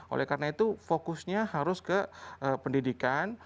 oleh karena itu fokusnya harus ke pendidikan